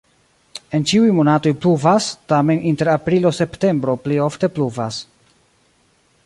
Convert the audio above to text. En ĉiuj monatoj pluvas, tamen inter aprilo-septembro pli ofte pluvas.